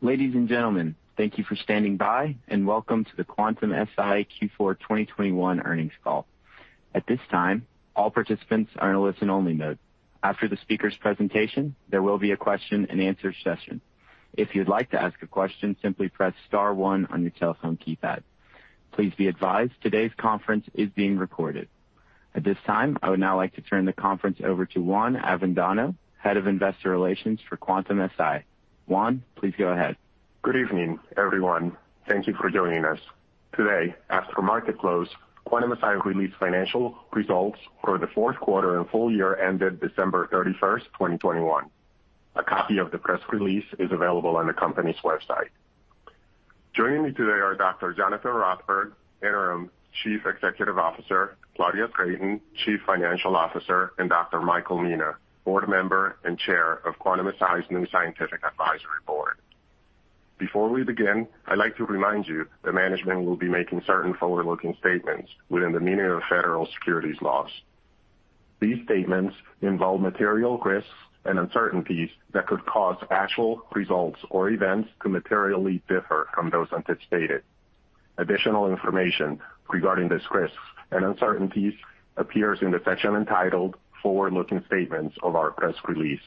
Ladies and gentlemen, thank you for standing by, and welcome to the Quantum-Si Q4 2021 earnings call. At this time, all participants are in a listen only mode. After the speaker's presentation, there will be a question and answer session. If you'd like to ask a question, simply press star one on your telephone keypad. Please be advised today's conference is being recorded. At this time, I would now like to turn the conference over to Juan Avendano, head of investor relations for Quantum-Si. Juan, please go ahead. Good evening, everyone. Thank you for joining us. Today, after market close, Quantum-Si released financial results for the fourth quarter and full year ended December 31, 2021. A copy of the press release is available on the company's website. Joining me today are Dr. Jonathan Rothberg, Interim Chief Executive Officer, Claudia Drayton, Chief Financial Officer, and Dr. Michael Mina, board member and Chair of Quantum-Si's new scientific advisory board. Before we begin, I'd like to remind you that management will be making certain forward-looking statements within the meaning of federal securities laws. These statements involve material risks and uncertainties that could cause actual results or events to materially differ from those anticipated. Additional information regarding these risks and uncertainties appears in the section entitled Forward Looking Statements of our press release.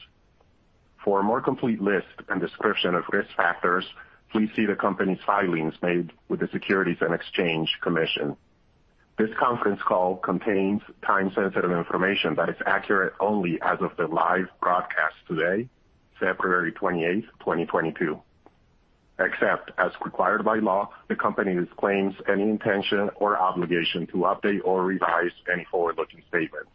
For a more complete list and description of risk factors, please see the company's filings made with the Securities and Exchange Commission. This conference call contains time-sensitive information that is accurate only as of the live broadcast today, February 28, 2022. Except as required by law, the company disclaims any intention or obligation to update or revise any forward-looking statements.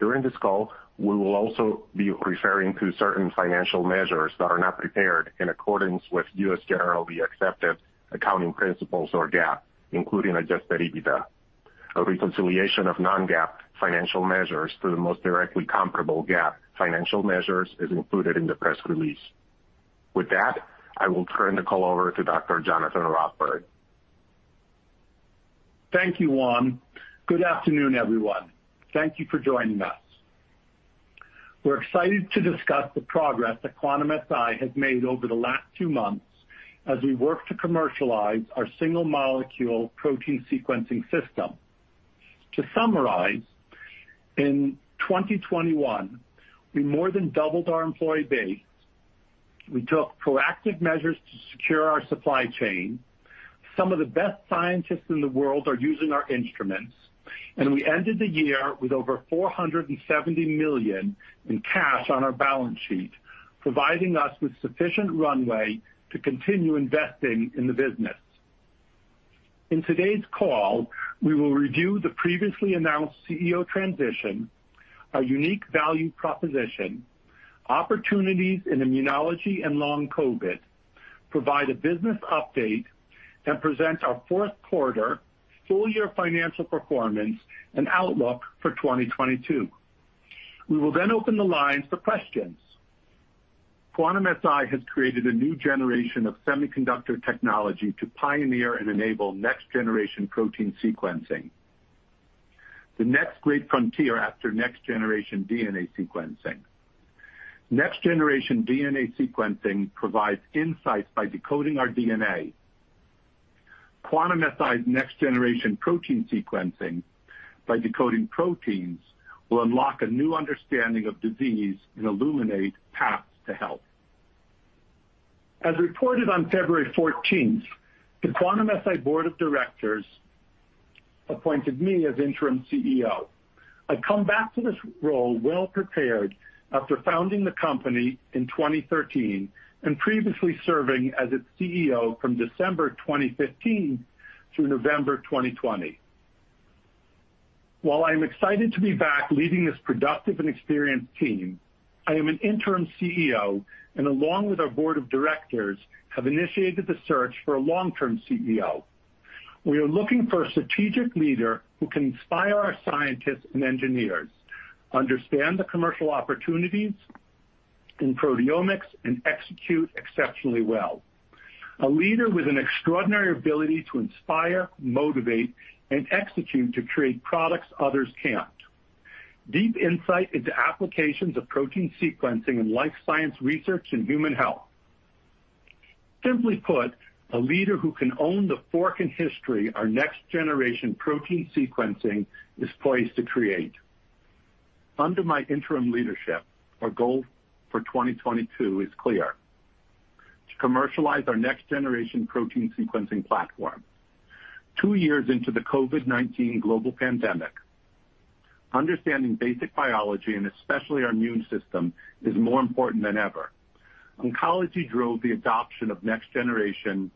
During this call, we will also be referring to certain financial measures that are not prepared in accordance with U.S. generally accepted accounting principles or GAAP, including adjusted EBITDA. A reconciliation of Non-GAAP financial measures to the most directly comparable GAAP financial measures is included in the press release. With that, I will turn the call over to Dr. Jonathan Rothberg. Thank you, Juan. Good afternoon, everyone. Thank you for joining us. We're excited to discuss the progress that Quantum-Si has made over the last two months as we work to commercialize our single molecule protein sequencing system. To summarize, in 2021, we more than doubled our employee base. We took proactive measures to secure our supply chain. Some of the best scientists in the world are using our instruments, and we ended the year with over $470 million in cash on our balance sheet, providing us with sufficient runway to continue investing in the business. In today's call, we will review the previously announced CEO transition, our unique value proposition, opportunities in immunology and long COVID, provide a business update, and present our fourth quarter full year financial performance and outlook for 2022. We will then open the lines for questions. Quantum-Si has created a new generation of semiconductor technology to pioneer and enable next generation protein sequencing, the next great frontier after next generation DNA sequencing. Next generation DNA sequencing provides insights by decoding our DNA. Quantum-Si's next generation protein sequencing by decoding proteins will unlock a new understanding of disease and illuminate paths to health. As reported on February fourteenth, the Quantum-Si board of directors appointed me as Interim CEO. I come back to this role well prepared after founding the company in 2013 and previously serving as its CEO from December 2015 through November 2020. While I am excited to be back leading this productive and experienced team, I am an Interim CEO, and along with our board of directors, have initiated the search for a long-term CEO. We are looking for a strategic leader who can inspire our scientists and engineers, understand the commercial opportunities in proteomics, and execute exceptionally well. A leader with an extraordinary ability to inspire, motivate, and execute to create products others can't. Deep insight into applications of protein sequencing in life science research and human health. Simply put, a leader who can own the fork in history our next generation protein sequencing is poised to create. Under my interim leadership, our goal for 2022 is clear, to commercialize our next generation protein sequencing platform. Two years into the COVID-19 global pandemic, understanding basic biology, and especially our immune system, is more important than ever. Oncology drove the adoption of next generation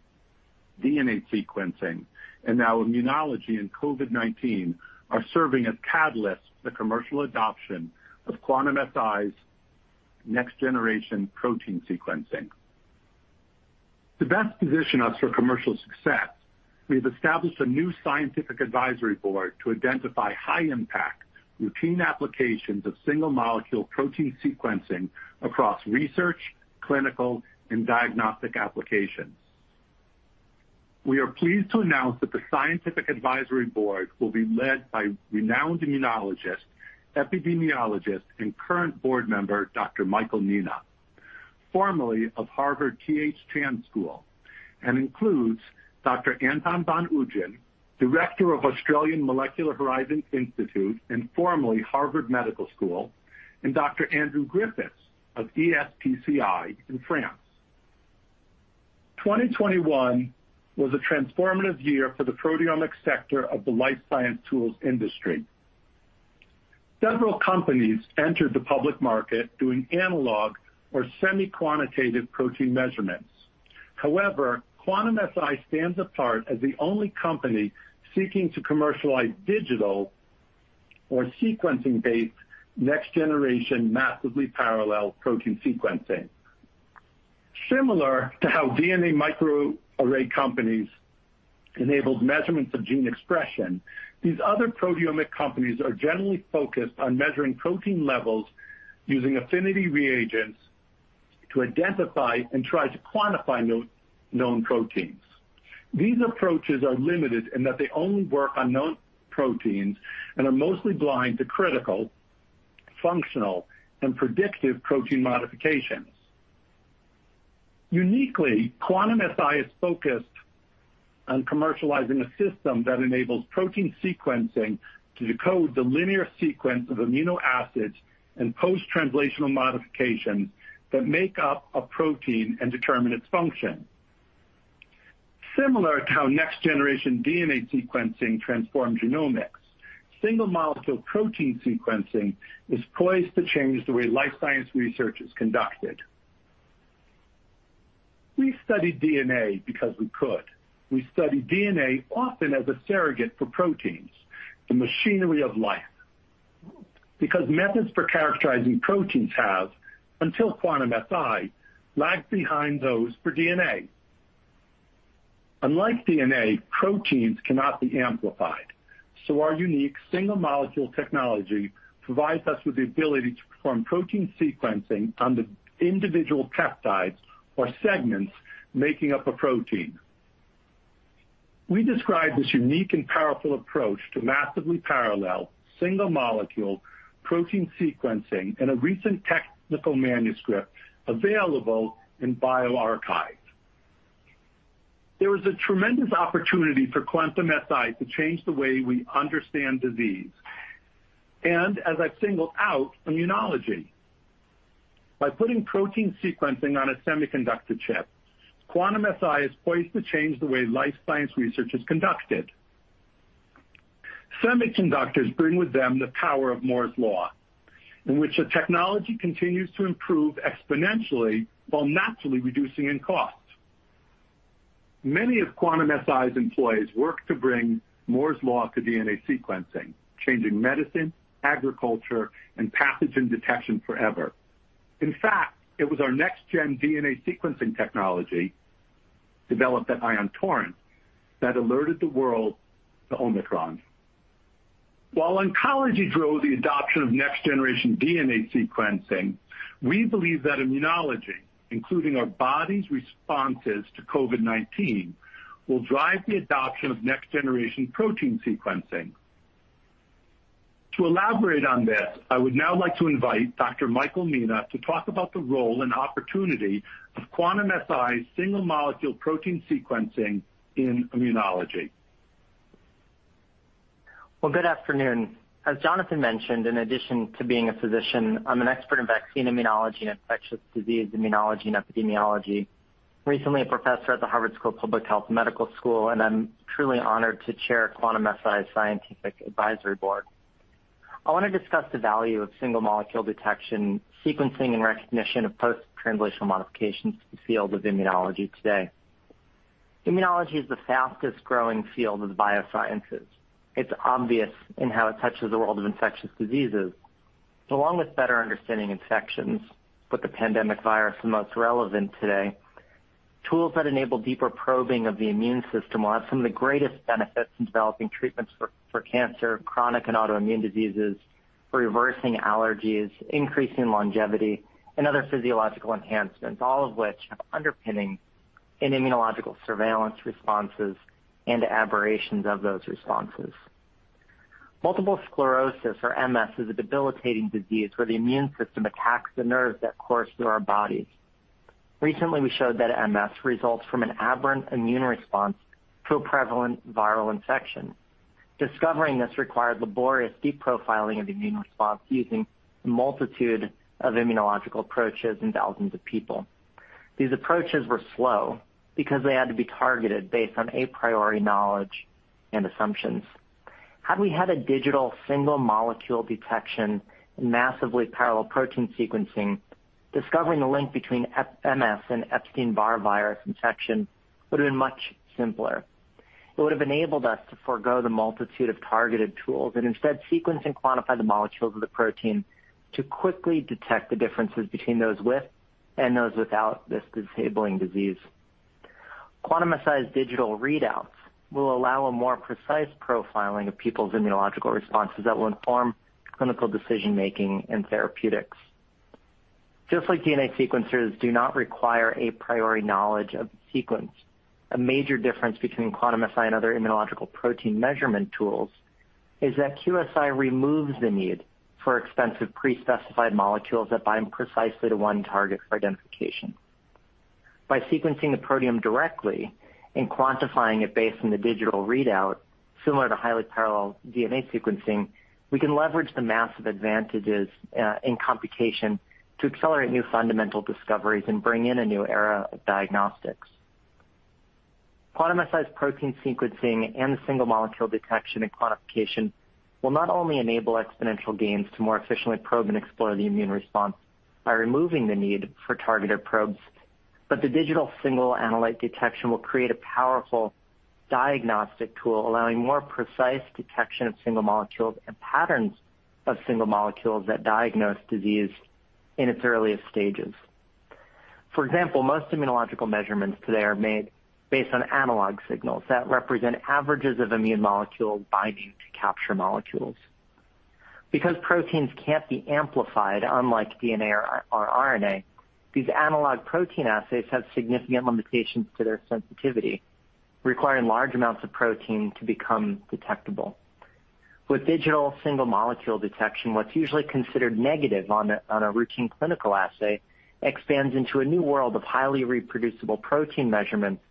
DNA sequencing, and now immunology and COVID-19 are serving as catalysts for the commercial adoption of Quantum-Si's next generation protein sequencing. To best position us for commercial success, we have established a new scientific advisory board to identify high impact routine applications of single molecule protein sequencing across research, clinical, and diagnostic applications. We are pleased to announce that the scientific advisory board will be led by renowned immunologist, epidemiologist, and current board member, Dr. Michael Mina, formerly of Harvard T.H. Chan School of Public Health, and includes Dr. Antoine van Oijen, Director of Molecular Horizons and formerly Harvard Medical School, and Dr. Andrew Griffiths of ESPCI in France. 2021 was a transformative year for the proteomic sector of the life science tools industry. Several companies entered the public market doing analog or semi-quantitative protein measurements. However, Quantum-Si stands apart as the only company seeking to commercialize digital or sequencing-based next generation massively parallel protein sequencing. Similar to how DNA microarray companies enabled measurements of gene expression, these other proteomic companies are generally focused on measuring protein levels using affinity reagents to identify and try to quantify known proteins. These approaches are limited in that they only work on known proteins and are mostly blind to critical, functional, and predictive protein modifications. Uniquely, Quantum-Si is focused on commercializing a system that enables protein sequencing to decode the linear sequence of amino acids and post-translational modifications that make up a protein and determine its function. Similar to how next generation DNA sequencing transformed genomics, single molecule protein sequencing is poised to change the way life science research is conducted. We studied DNA because we could. We studied DNA often as a surrogate for proteins, the machinery of life, because methods for characterizing proteins have, until Quantum-Si, lagged behind those for DNA. Unlike DNA, proteins cannot be amplified, so our unique single molecule technology provides us with the ability to perform protein sequencing on the individual peptides or segments making up a protein. We describe this unique and powerful approach to massively parallel single molecule protein sequencing in a recent technical manuscript available in bioRxiv. There is a tremendous opportunity for Quantum-Si to change the way we understand disease, and as I've singled out, immunology. By putting protein sequencing on a semiconductor chip, Quantum-Si is poised to change the way life science research is conducted. Semiconductors bring with them the power of Moore's Law, in which the technology continues to improve exponentially while naturally reducing in cost. Many of Quantum-Si's employees work to bring Moore's Law to DNA sequencing, changing medicine, agriculture, and pathogen detection forever. In fact, it was our next gen DNA sequencing technology developed at Ion Torrent that alerted the world to Omicron. While oncology drove the adoption of next generation DNA sequencing, we believe that immunology, including our body's responses to COVID-19, will drive the adoption of next generation protein sequencing. To elaborate on this, I would now like to invite Dr. Michael Mina to talk about the role and opportunity of Quantum-Si's single molecule protein sequencing in immunology. Well, good afternoon. As Jonathan mentioned, in addition to being a physician, I'm an expert in vaccine immunology and infectious disease immunology and epidemiology, recently a professor at the Harvard T.H. Chan School of Public Health and Harvard Medical School, and I'm truly honored to chair Quantum-Si's Scientific Advisory Board. I want to discuss the value of single molecule detection, sequencing, and recognition of post-translational modifications to the field of immunology today. Immunology is the fastest growing field of the biosciences. It's obvious in how it touches the world of infectious diseases. Along with better understanding infections, with the pandemic virus the most relevant today, tools that enable deeper probing of the immune system will have some of the greatest benefits in developing treatments for cancer, chronic and autoimmune diseases, for reversing allergies, increasing longevity, and other physiological enhancements, all of which have underpinning in immunological surveillance responses and aberrations of those responses. Multiple sclerosis, or MS, is a debilitating disease where the immune system attacks the nerves that course through our bodies. Recently, we showed that MS results from an aberrant immune response to a prevalent viral infection. Discovering this required laborious deep profiling of immune response using a multitude of immunological approaches in thousands of people. These approaches were slow because they had to be targeted based on a priori knowledge and assumptions. Had we had a digital single molecule detection and massively parallel protein sequencing, discovering the link between MS and Epstein-Barr virus infection would have been much simpler. It would have enabled us to forego the multitude of targeted tools and instead sequence and quantify the molecules of the protein to quickly detect the differences between those with and those without this disabling disease. Quantum-Si's digital readouts will allow a more precise profiling of people's immunological responses that will inform clinical decision-making and therapeutics. Just like DNA sequencers do not require a priori knowledge of the sequence, a major difference between Quantum-Si and other immunological protein measurement tools is that QSI removes the need for expensive pre-specified molecules that bind precisely to one target for identification. By sequencing the proteome directly and quantifying it based on the digital readout, similar to highly parallel DNA sequencing, we can leverage the massive advantages in computation to accelerate new fundamental discoveries and bring in a new era of diagnostics. Quantum-Si's protein sequencing and single molecule detection and quantification will not only enable exponential gains to more efficiently probe and explore the immune response by removing the need for targeted probes, but the digital single analyte detection will create a powerful diagnostic tool, allowing more precise detection of single molecules and patterns of single molecules that diagnose disease in its earliest stages. For example, most immunological measurements today are made based on analog signals that represent averages of immune molecules binding to capture molecules. Because proteins can't be amplified, unlike DNA or RNA, these analog protein assays have significant limitations to their sensitivity, requiring large amounts of protein to become detectable. With digital single molecule detection, what's usually considered negative on a routine clinical assay expands into a new world of highly reproducible protein measurements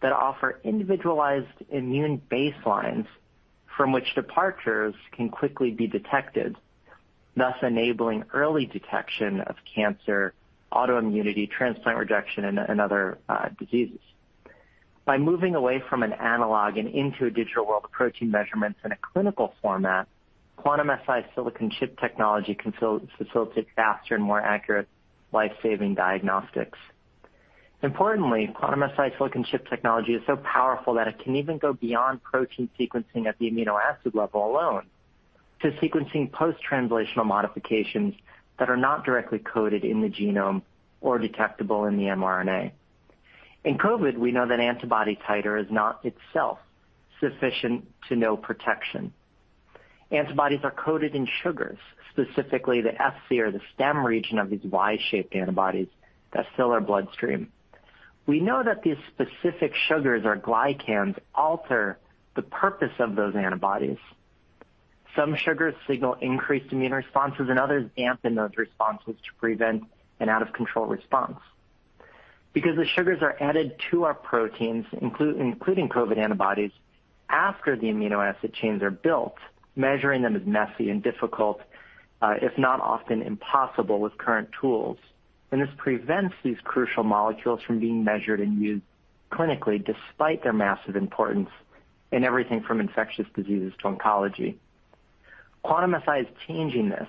that offer individualized immune baselines from which departures can quickly be detected, thus enabling early detection of cancer, autoimmunity, transplant rejection, and other diseases. By moving away from an analog and into a digital world of protein measurements in a clinical format, Quantum-Si silicon chip technology can facilitate faster and more accurate life-saving diagnostics. Importantly, Quantum-Si silicon chip technology is so powerful that it can even go beyond protein sequencing at the amino acid level alone to sequencing post-translational modifications that are not directly coded in the genome or detectable in the mRNA. In COVID, we know that antibody titer is not itself sufficient to know protection. Antibodies are coated in sugars, specifically the Fc or the stem region of these Y-shaped antibodies that fill our bloodstream. We know that these specific sugars or glycans alter the purpose of those antibodies. Some sugars signal increased immune responses, and others dampen those responses to prevent an out-of-control response. Because the sugars are added to our proteins, including COVID antibodies, after the amino acid chains are built, measuring them is messy and difficult, if not often impossible with current tools. This prevents these crucial molecules from being measured and used clinically despite their massive importance in everything from infectious diseases to oncology. Quantum-Si is changing this.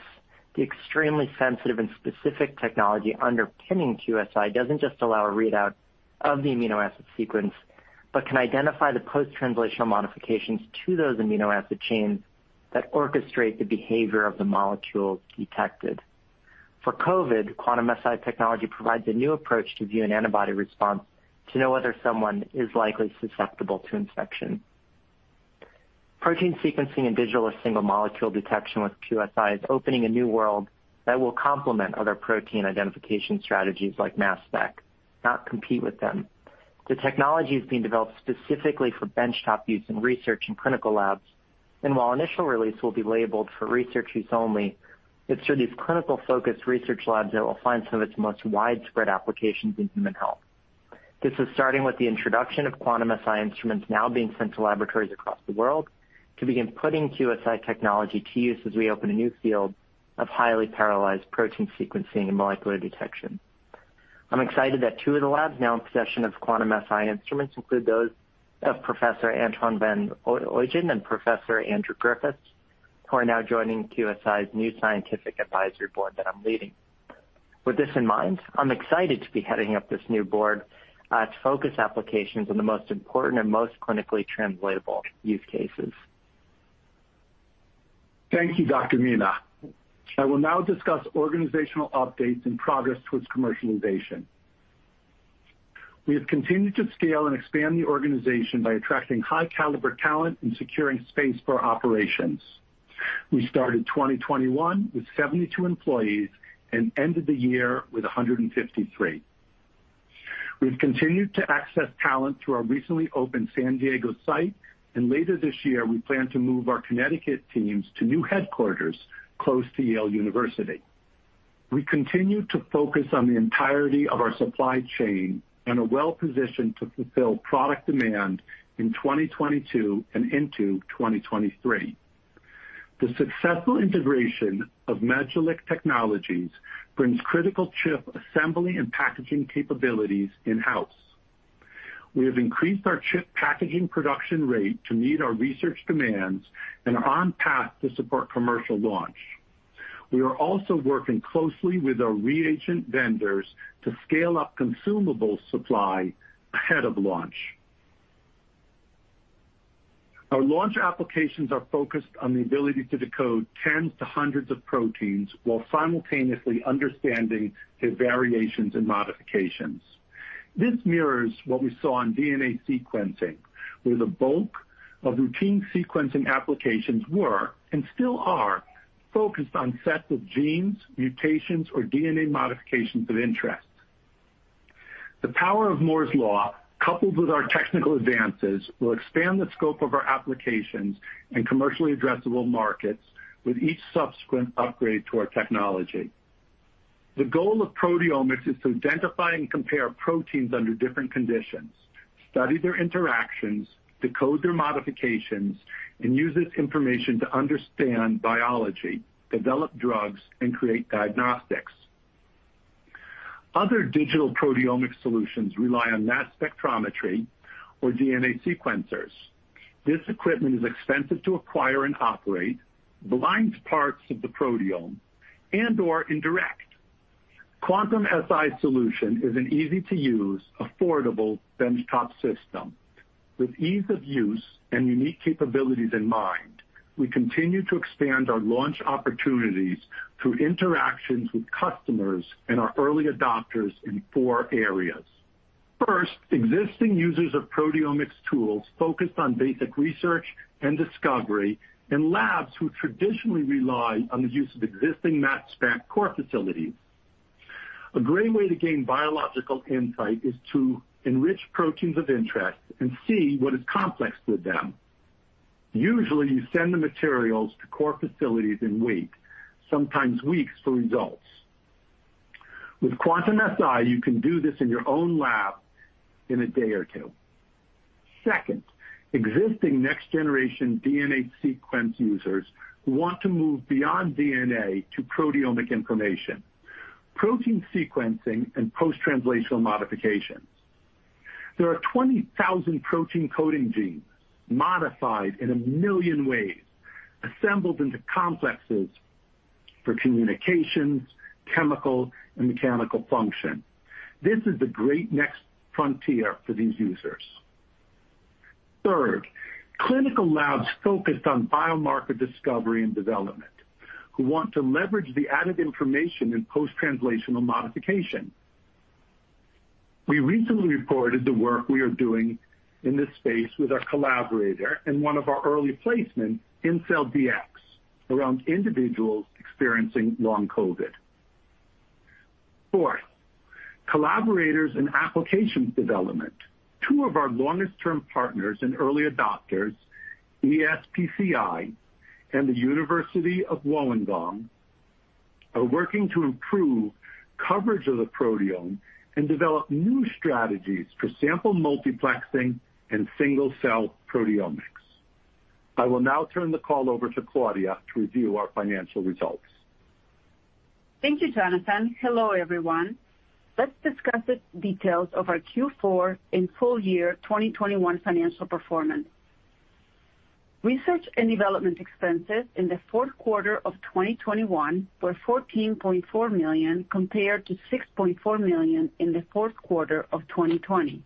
The extremely sensitive and specific technology underpinning QSI doesn't just allow a readout of the amino acid sequence but can identify the post-translational modifications to those amino acid chains that orchestrate the behavior of the molecule detected. For COVID, Quantum-Si technology provides a new approach to view an antibody response to know whether someone is likely susceptible to infection. Protein sequencing and digital or single molecule detection with QSI is opening a new world that will complement other protein identification strategies like mass spec, not compete with them. The technology is being developed specifically for benchtop use in research and clinical labs, and while initial release will be labeled for research use only, it's through these clinical-focused research labs that will find some of its most widespread applications in human health. This is starting with the introduction of Quantum-Si instruments now being sent to laboratories across the world to begin putting QSI technology to use as we open a new field of highly parallelized protein sequencing and molecular detection. I'm excited that two of the labs now in possession of Quantum-Si instruments include those of Professor Antoine van Oijen and Professor Andrew Griffiths, who are now joining QSI's new scientific advisory board that I'm leading. With this in mind, I'm excited to be heading up this new board to focus applications on the most important and most clinically translatable use cases. Thank you, Dr. Mina. I will now discuss organizational updates and progress towards commercialization. We have continued to scale and expand the organization by attracting high caliber talent and securing space for our operations. We started 2021 with 72 employees and ended the year with 153. We've continued to access talent through our recently opened San Diego site, and later this year, we plan to move our Connecticut teams to new headquarters close to Yale University. We continue to focus on the entirety of our supply chain and are well-positioned to fulfill product demand in 2022 and into 2023. The successful integration of Majelac Technologies brings critical chip assembly and packaging capabilities in-house. We have increased our chip packaging production rate to meet our research demands and are on path to support commercial launch. We are also working closely with our reagent vendors to scale up consumable supply ahead of launch. Our launch applications are focused on the ability to decode tens to hundreds of proteins while simultaneously understanding their variations and modifications. This mirrors what we saw in DNA sequencing, where the bulk of routine sequencing applications were, and still are, focused on sets of genes, mutations, or DNA modifications of interest. The power of Moore's Law, coupled with our technical advances, will expand the scope of our applications in commercially addressable markets with each subsequent upgrade to our technology. The goal of proteomics is to identify and compare proteins under different conditions, study their interactions, decode their modifications, and use this information to understand biology, develop drugs, and create diagnostics. Other digital proteomic solutions rely on mass spectrometry or DNA sequencers. This equipment is expensive to acquire and operate, is blind to parts of the proteome, and/or indirect. Quantum-Si solution is an easy-to-use, affordable benchtop system. With ease of use and unique capabilities in mind, we continue to expand our launch opportunities through interactions with customers and our early adopters in four areas. First, existing users of proteomics tools focused on basic research and discovery, and labs who traditionally rely on the use of existing mass spec core facilities. A great way to gain biological insight is to enrich proteins of interest and see what complexes with them. Usually, you send the materials to core facilities and wait, sometimes weeks, for results. With Quantum-Si, you can do this in your own lab in a day or two. Second, existing next-generation DNA sequencing users who want to move beyond DNA to proteomic information, protein sequencing, and post-translational modifications. There are 20,000 protein coding genes modified in a million ways, assembled into complexes for communications, chemical, and mechanical function. This is the great next frontier for these users. Third, clinical labs focused on biomarker discovery and development, who want to leverage the added information in post-translational modification. We recently reported the work we are doing in this space with our collaborator and one of our early placements in IncellDx around individuals experiencing long COVID. Fourth, collaborators in application development. Two of our longest term partners and early adopters, ESPCI and the University of Wollongong, are working to improve coverage of the proteome and develop new strategies for sample multiplexing and single-cell proteomics. I will now turn the call over to Claudia to review our financial results. Thank you, Jonathan. Hello, everyone. Let's discuss the details of our Q4 and full year 2021 financial performance. Research and development expenses in the fourth quarter of 2021 were $14.4 million, compared to $6.4 million in the fourth quarter of 2020.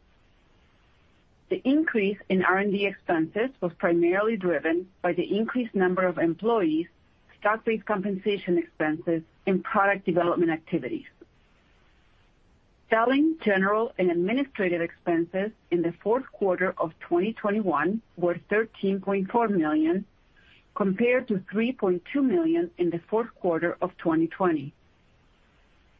The increase in R&D expenses was primarily driven by the increased number of employees, stock-based compensation expenses, and product development activities. Selling, general, and administrative expenses in the fourth quarter of 2021 were $13.4 million, compared to $3.2 million in the fourth quarter of 2020.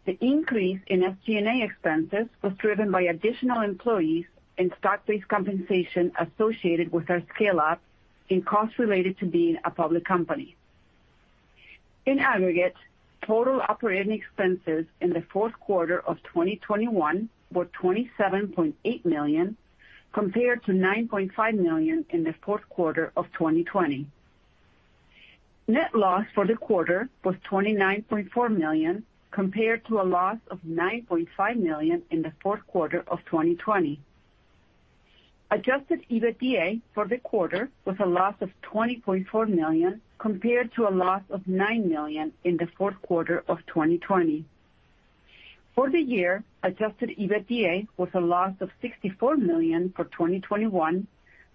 The increase in SG&A expenses was driven by additional employees and stock-based compensation associated with our scale-up and costs related to being a public company. In aggregate, total operating expenses in the fourth quarter of 2021 were $27.8 million, compared to $9.5 million in the fourth quarter of 2020. Net loss for the quarter was $29.4 million, compared to a loss of $9.5 million in the fourth quarter of 2020. Adjusted EBITDA for the quarter was a loss of $20.4 million, compared to a loss of $9 million in the fourth quarter of 2020. For the year, adjusted EBITDA was a loss of $64 million for 2021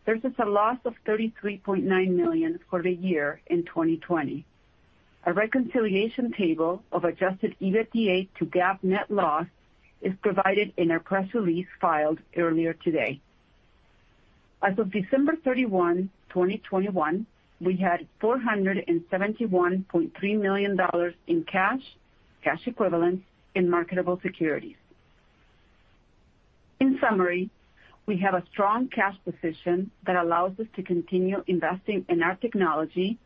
versus a loss of $33.9 million for the year in 2020. A reconciliation table of adjusted EBITDA to GAAP net loss is provided in our press release filed earlier today. As of December 31, 2021, we had $471.3 million in cash equivalents, and marketable securities. In summary, we have a strong cash position that allows us to continue investing in our technology,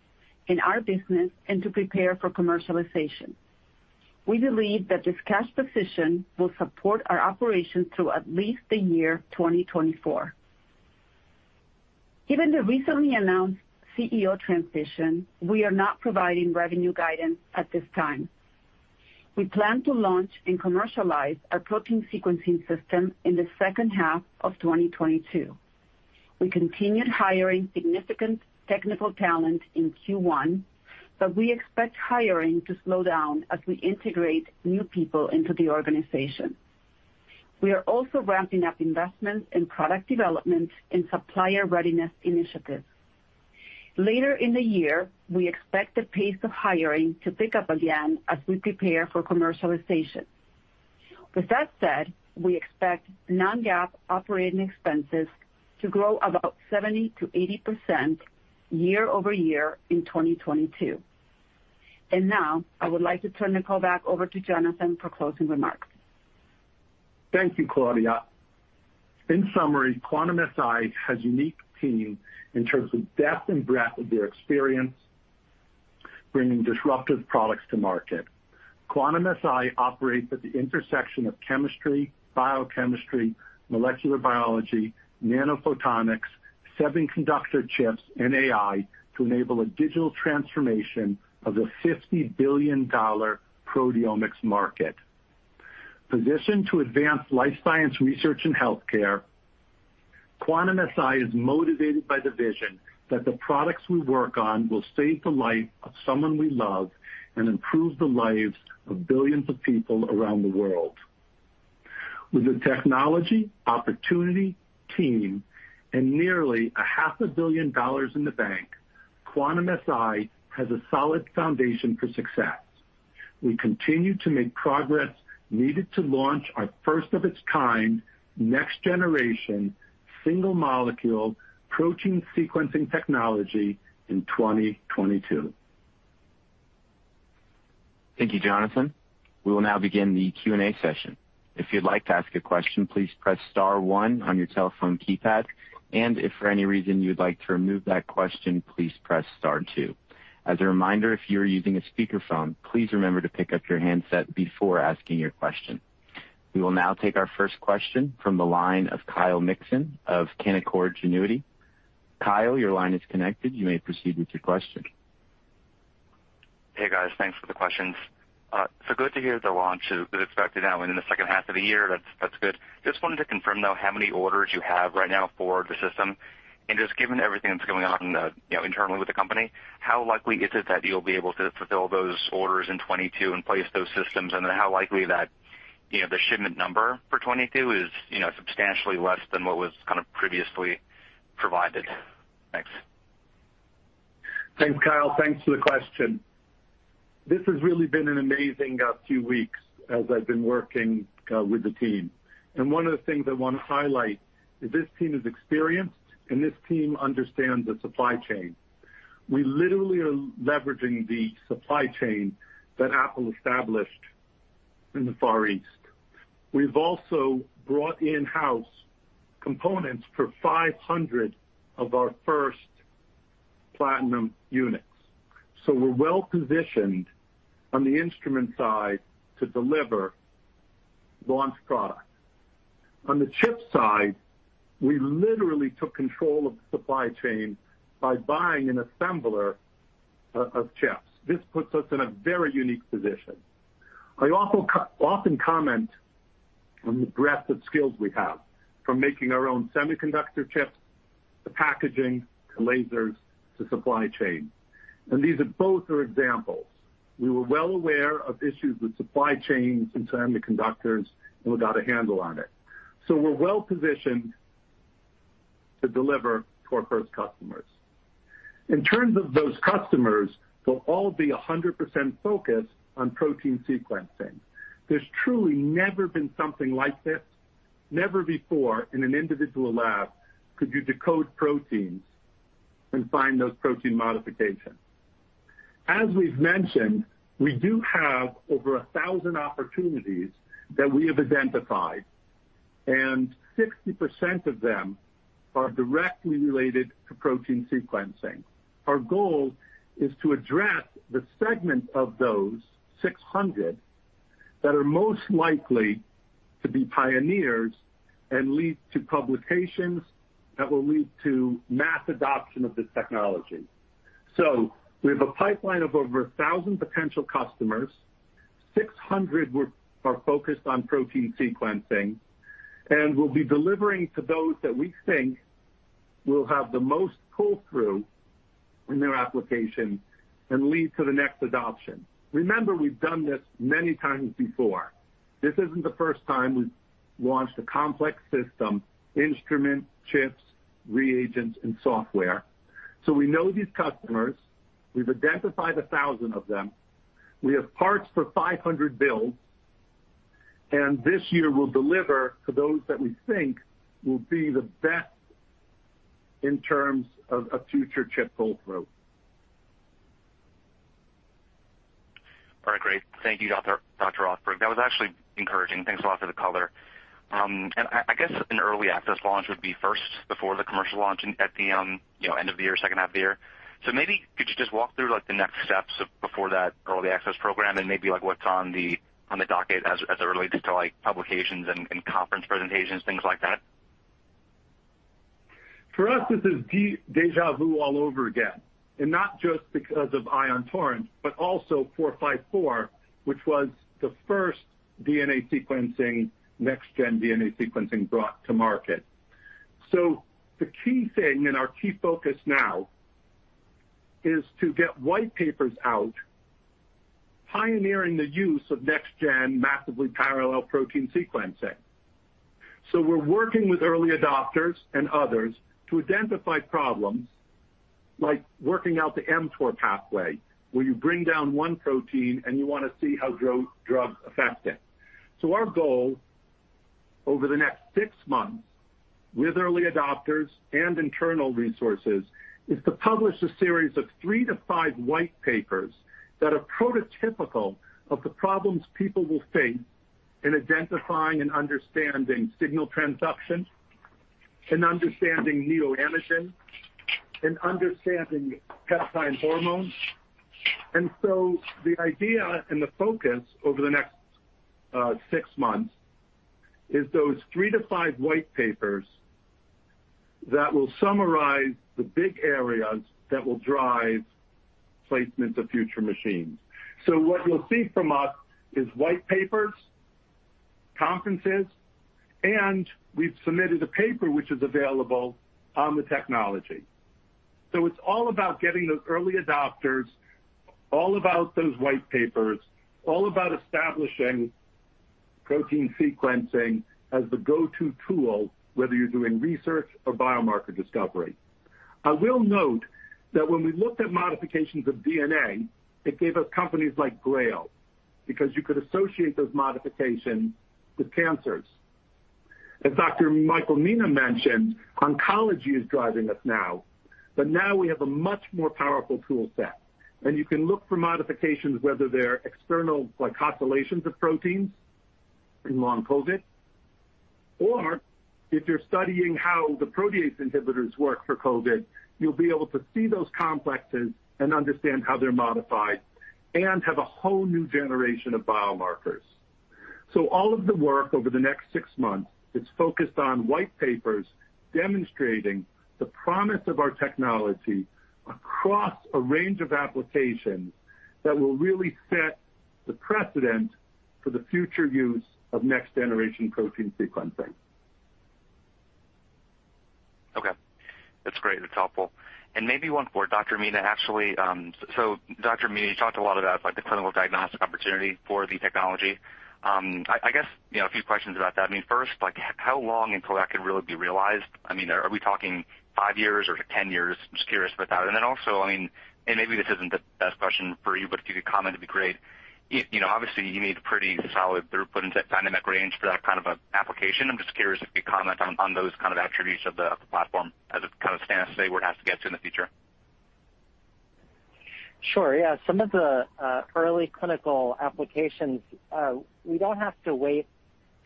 in our business, and to prepare for commercialization. We believe that this cash position will support our operations through at least the year 2024. Given the recently announced CEO transition, we are not providing revenue guidance at this time. We plan to launch and commercialize our protein sequencing system in the second half of 2022. We continued hiring significant technical talent in Q1, but we expect hiring to slow down as we integrate new people into the organization. We are also ramping up investments in product development and supplier readiness initiatives. Later in the year, we expect the pace of hiring to pick up again as we prepare for commercialization. With that said, we expect Non-GAAP operating expenses to grow about 70%-80% year-over-year in 2022. Now I would like to turn the call back over to Jonathan for closing remarks. Thank you, Claudia. In summary, Quantum-Si has a unique team in terms of depth and breadth of their experience bringing disruptive products to market. Quantum-Si operates at the intersection of chemistry, biochemistry, molecular biology, nanophotonics, semiconductor chips, and AI to enable a digital transformation of the $50 billion proteomics market. Positioned to advance life science research and healthcare, Quantum-Si is motivated by the vision that the products we work on will save the life of someone we love and improve the lives of billions of people around the world. With the technology, opportunity, team, and nearly $500 million in the bank, Quantum-Si has a solid foundation for success. We continue to make progress needed to launch our first of its kind, next generation, single molecule protein sequencing technology in 2022. Thank you, Jonathan. We will now begin the Q&A session. If you'd like to ask a question, please press star one on your telephone keypad, and if for any reason you'd like to remove that question, please press star two. As a reminder, if you are using a speakerphone, please remember to pick up your handset before asking your question. We will now take our first question from the line of Kyle Mikson of Canaccord Genuity. Kyle, your line is connected. You may proceed with your question. Hey, guys. Thanks for the questions. So good to hear the launch is expected now in the second half of the year. That's good. Just wanted to confirm, though, how many orders you have right now for the system. Given everything that's going on, you know, internally with the company, how likely is it that you'll be able to fulfill those orders in 2022 and place those systems? How likely that, you know, the shipment number for 2022 is, you know, substantially less than what was kind of previously provided? Thanks. Thanks, Kyle. Thanks for the question. This has really been an amazing few weeks as I've been working with the team, and one of the things I wanna highlight is this team is experienced, and this team understands the supply chain. We literally are leveraging the supply chain that Apple established in the Far East. We've also brought in-house components for 500 of our first Platinum units, so we're well-positioned on the instrument side to deliver launch products. On the chip side, we literally took control of the supply chain by buying an assembler of chips. This puts us in a very unique position. I also often comment on the breadth of skills we have, from making our own semiconductor chips to packaging to lasers to supply chain, and these are both examples. We were well aware of issues with supply chains and semiconductors, and we got a handle on it. We're well-positioned to deliver to our first customers. In terms of those customers, they'll all be 100% focused on protein sequencing. There's truly never been something like this. Never before in an individual lab could you decode proteins and find those protein modifications. As we've mentioned, we do have over 1,000 opportunities that we have identified, and 60% of them are directly related to protein sequencing. Our goal is to address the segment of those 600 that are most likely to be pioneers and lead to publications that will lead to mass adoption of this technology. We have a pipeline of over 1,000 potential customers. 600 are focused on protein sequencing, and we'll be delivering to those that we think will have the most pull-through in their application and lead to the next adoption. Remember, we've done this many times before. This isn't the first time we've launched a complex system, instrument, chips, reagents, and software. We know these customers. We've identified 1,000 of them. We have parts for 500 builds, and this year we'll deliver to those that we think will be the best in terms of a future chip pull-through. All right, great. Thank you, Dr. Rothberg. That was actually encouraging. Thanks a lot for the color. I guess an early access launch would be first before the commercial launch at the end of the year, second half of the year. Maybe you could just walk through, like, the next steps before that early access program and maybe, like, what's on the docket as it relates to, like, publications and conference presentations, things like that? For us, this is déjà vu all over again, and not just because of Ion Torrent, but also 454 Life Sciences, which was the first DNA sequencing, next gen DNA sequencing brought to market. The key thing and our key focus now is to get white papers out, pioneering the use of next gen massively parallel protein sequencing. We're working with early adopters and others to identify problems like working out the mTOR pathway, where you bring down one protein and you want to see how drugs affect it. Our goal over the next six months with early adopters and internal resources is to publish a series of three to five white papers that are prototypical of the problems people will face in identifying and understanding signal transduction, in understanding neoantigens, in understanding peptide hormones. The idea and the focus over the next six months is those three to five white papers that will summarize the big areas that will drive placement of future machines. What you'll see from us is white papers, conferences, and we've submitted a paper which is available on the technology. It's all about getting those early adopters, all about those white papers, all about establishing protein sequencing as the go-to tool, whether you're doing research or biomarker discovery. I will note that when we looked at modifications of DNA, it gave us companies like GRAIL, because you could associate those modifications with cancers. As Dr. Michael Mina mentioned, oncology is driving us now, but now we have a much more powerful tool set. You can look for modifications, whether they're external glycosylations of proteins in long COVID, or if you're studying how the protease inhibitors work for COVID, you'll be able to see those complexes and understand how they're modified and have a whole new generation of biomarkers. All of the work over the next six months is focused on white papers demonstrating the promise of our technology across a range of applications that will really set the precedent for the future use of next-generation protein sequencing. Okay. That's great. That's helpful. Maybe one for Dr. Mina, actually. So Dr. Mina, you talked a lot about, like, the clinical diagnostic opportunity for the technology. I guess, you know, a few questions about that. I mean, first, like, how long until that could really be realized? I mean, are we talking 5 years or 10 years? Just curious about that. Then also, I mean, and maybe this isn't the best question for you, but if you could comment, it'd be great. You know, obviously, you need pretty solid throughput and dynamic range for that kind of application. I'm just curious if you comment on those kind of attributes of the platform as it kind of stands today, where it has to get to in the future. Sure. Yeah. Some of the early clinical applications, we don't have to wait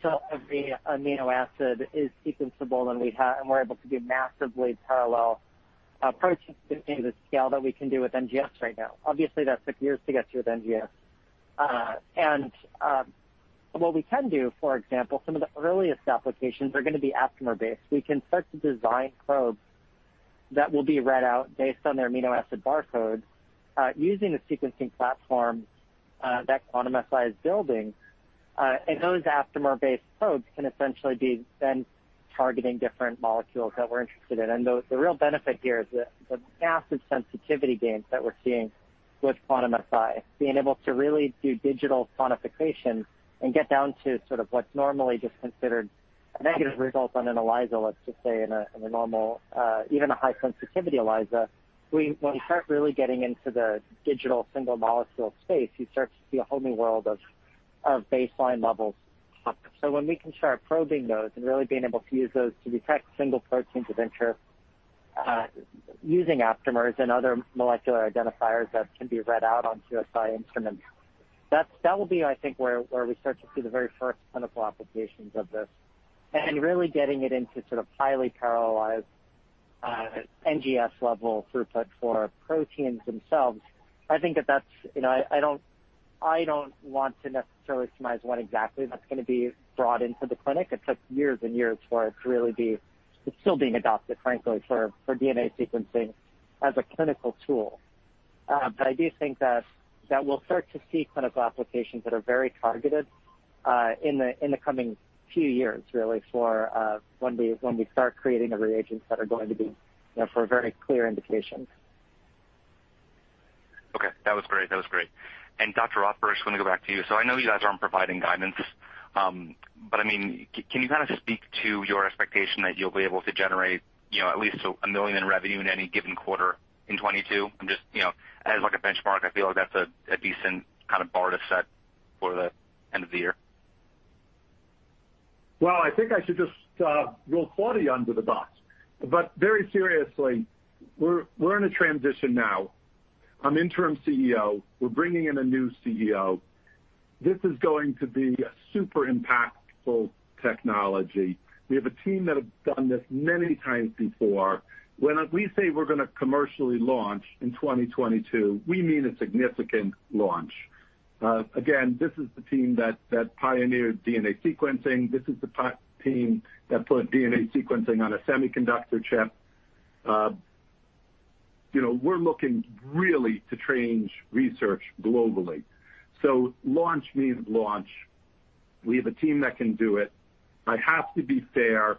till every amino acid is sequenceable, and we're able to do massively parallel approaches to the scale that we can do with NGS right now. Obviously, that took years to get to with NGS. What we can do, for example, some of the earliest applications are going to be aptamer-based. We can start to design probes that will be read out based on their amino acid barcodes, using the sequencing platform that Quantum-Si is building. Those aptamer-based probes can essentially be then targeting different molecules that we're interested in. The real benefit here is the massive sensitivity gains that we're seeing with Quantum-Si, being able to really do digital quantification and get down to sort of what's normally just considered a negative result on an ELISA, let's just say, in a normal, even a high-sensitivity ELISA. When we start really getting into the digital single molecule space, you start to see a whole new world of baseline level pops. When we can start probing those and really being able to use those to detect single proteins of interest, using aptamers and other molecular identifiers that can be read out on QSI instruments, that will be, I think, where we start to see the very first clinical applications of this. Really getting it into sort of highly parallelized, NGS-level throughput for proteins themselves, I think that, you know, I don't want to necessarily surmise when exactly that's going to be brought into the clinic. It took years and years for it to really be. It's still being adopted, frankly, for DNA sequencing as a clinical tool. But I do think that we'll start to see clinical applications that are very targeted, in the coming few years, really, for when we start creating the reagents that are going to be, you know, for very clear indications. Okay. That was great. Dr. Rothberg, I just want to go back to you. I know you guys aren't providing guidance, but, I mean, can you kind of just speak to your expectation that you'll be able to generate, you know, at least $1 million in revenue in any given quarter in 2022? I'm just, you know, as like a benchmark, I feel like that's a decent kind of bar to set for the end of the year. Well, I think I should just roll 40 under the box. But very seriously, we're in a transition now. I'm Interim CEO. We're bringing in a new CEO. This is going to be a super impactful technology. We have a team that have done this many times before. When we say we're going to commercially launch in 2022, we mean a significant launch. Again, this is the team that pioneered DNA sequencing. This is the team that put DNA sequencing on a semiconductor chip. You know, we're looking really to change research globally. Launch means launch. We have a team that can do it. I have to be fair.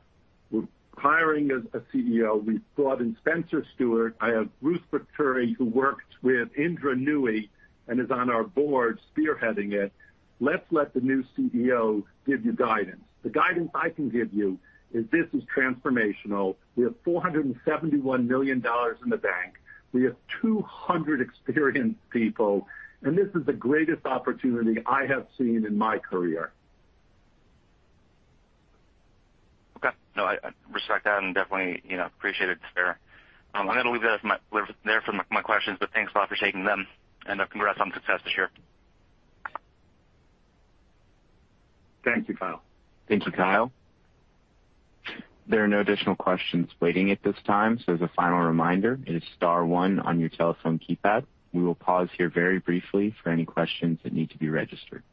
We're hiring a CEO. We've brought in Spencer Stuart. I have Ruth Fattori, who worked with Indra Nooyi and is on our board spearheading it. Let's let the new CEO give you guidance. The guidance I can give you is this is transformational. We have $471 million in the bank. We have 200 experienced people, and this is the greatest opportunity I have seen in my career. Okay. No, I respect that and definitely, you know, appreciate it, sir. I'm gonna leave that as my questions, but thanks a lot for taking them, and congrats on success this year. Thank you, Kyle. Thank you, Kyle. There are no additional questions waiting at this time, so as a final reminder, it is star one on your telephone keypad. We will pause here very briefly for any questions that need to be registered.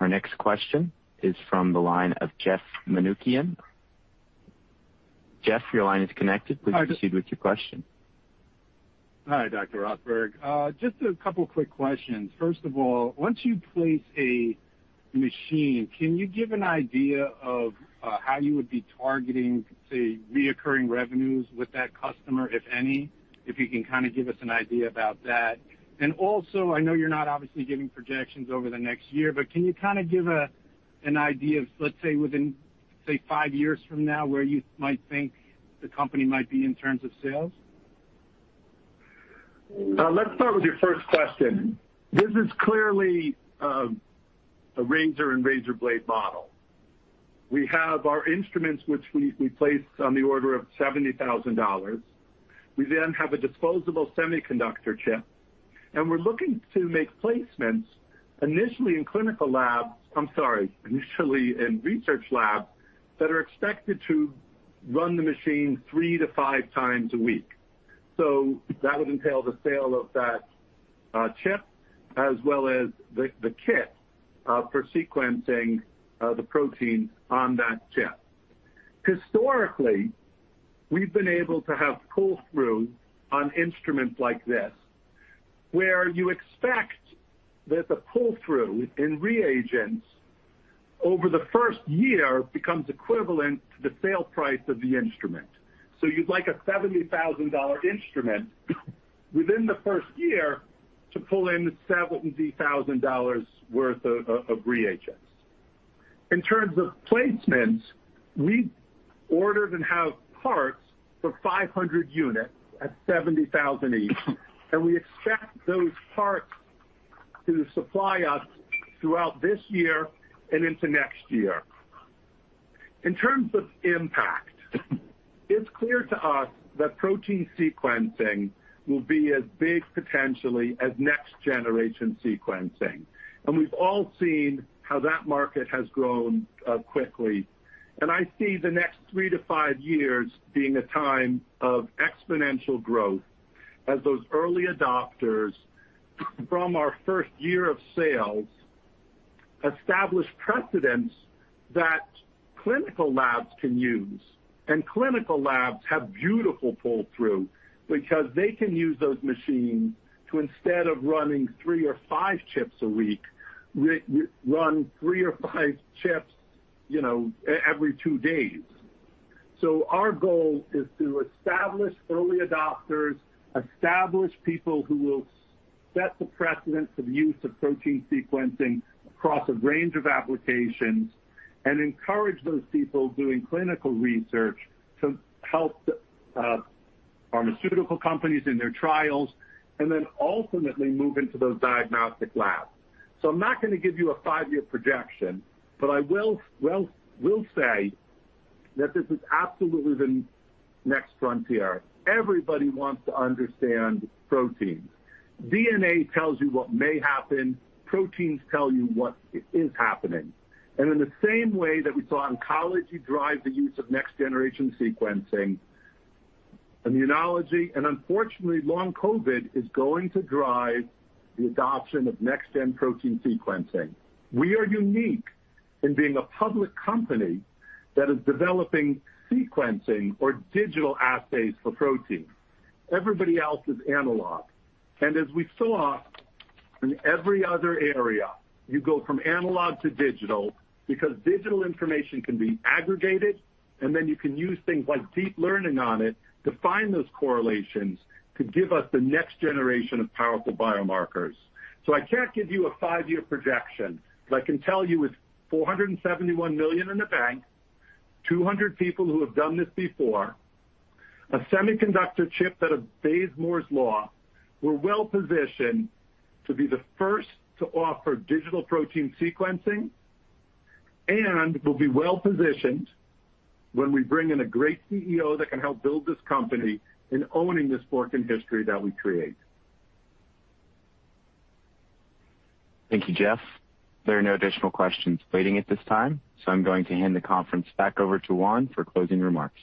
Our next question is from the line of Jeff Manoukian. Jeff, your line is connected. Hi, Jeff. Please proceed with your question. Hi, Dr. Rothberg. Just a couple quick questions. First of all, once you place a machine, can you give an idea of how you would be targeting, say, recurring revenues with that customer, if any? If you can kinda give us an idea about that. Also, I know you're not obviously giving projections over the next year, but can you kinda give an idea of, let's say, within, say, five years from now, where you might think the company might be in terms of sales? Let's start with your first question. This is clearly a razor and razor blade model. We have our instruments, which we place on the order of $70,000. We then have a disposable semiconductor chip, and we're looking to make placements initially in research labs that are expected to run the machine three to five times a week. That would entail the sale of that chip as well as the kit for sequencing the protein on that chip. Historically, we've been able to have pull-through on instruments like this, where you expect that the pull-through in reagents over the first year becomes equivalent to the sale price of the instrument. You'd like a $70,000 instrument within the first year to pull in $70,000 worth of reagents. In terms of placements, we ordered and have parts for 500 units at $70,000 each, and we expect those parts to supply us throughout this year and into next year. In terms of impact, it's clear to us that protein sequencing will be as big potentially as next-generation sequencing, and we've all seen how that market has grown quickly. I see the next three to five years being a time of exponential growth as those early adopters from our first year of sales establish precedents that clinical labs can use. Clinical labs have beautiful pull-through because they can use those machines to, instead of running three or five chips a week, run three or five chips, you know, every two days. Our goal is to establish early adopters, establish people who will set the precedent for the use of protein sequencing across a range of applications, and encourage those people doing clinical research to help pharmaceutical companies in their trials, and then ultimately move into those diagnostic labs. I'm not gonna give you a five-year projection, but I will say that this is absolutely the next frontier. Everybody wants to understand proteins. DNA tells you what may happen. Proteins tell you what is happening. In the same way that we saw oncology drive the use of next-generation sequencing, immunology, and unfortunately long COVID is going to drive the adoption of next-gen protein sequencing. We are unique in being a public company that is developing sequencing or digital assays for proteins. Everybody else is analog. As we saw in every other area, you go from analog to digital because digital information can be aggregated, and then you can use things like deep learning on it to find those correlations to give us the next generation of powerful biomarkers. I can't give you a five-year projection, but I can tell you with $471 million in the bank, 200 people who have done this before, a semiconductor chip that obeys Moore's Law, we're well-positioned to be the first to offer digital protein sequencing and we'll be well-positioned when we bring in a great CEO that can help build this company in owning this fork in history that we create. Thank you, Jeff. There are no additional questions waiting at this time, so I'm going to hand the conference back over to Juan for closing remarks.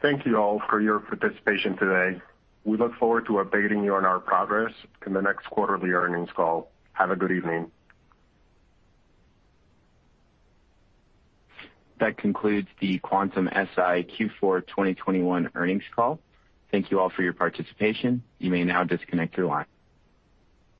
Thank you all for your participation today. We look forward to updating you on our progress in the next quarterly earnings call. Have a good evening. That concludes the Quantum-Si Q4 2021 earnings call. Thank you all for your participation. You may now disconnect your line.